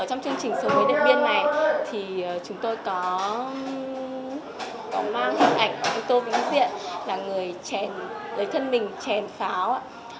trong chương trình sống với đệ biên này chúng tôi có mang hình ảnh tô vĩnh diện là người chèn lấy thân mình chèn pháo